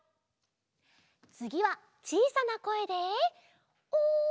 つぎはちいさなこえでおい！